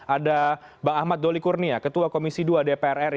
ada bang ahmad doli kurnia ketua komisi dua dpr ri